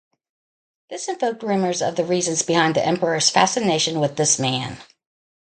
This invoked rumours of the reasons behind the emperor's fascination with this man.